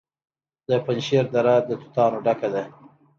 د پنجشیر دره د توتانو ډکه ده.